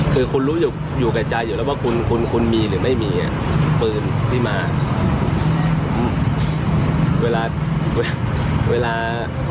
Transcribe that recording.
คือคุณรู้อยู่ในใจอยู่แล้วว่าคุณมีหรือไม่มีปืนที่มา